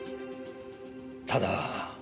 ただ。